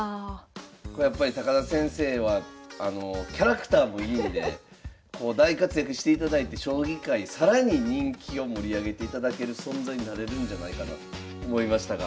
やっぱり田先生はキャラクターもいいんで大活躍していただいて将棋界更に人気を盛り上げていただける存在になれるんじゃないかなと思いましたが。